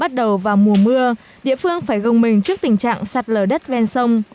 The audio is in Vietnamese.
bắt đầu vào mùa mưa địa phương phải gồng mình trước tình trạng sạt lở đất ven sông